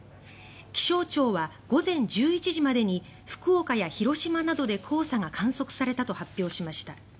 気象庁は午前１１時までに福岡や広島などで黄砂が観測されたと発表しました。